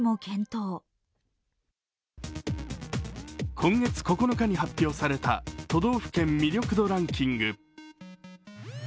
今月９日に発表された都道府県魅力度ランキング。